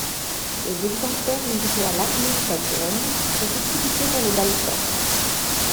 Les exemplaires livrés à l'armée italienne furent utilisés dans les Balkans.